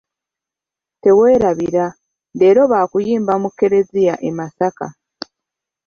Teweerabira, leero baakuyimba mu keleziya e Masaka.